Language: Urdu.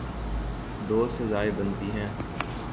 دو سزائیں بنتی ہیں۔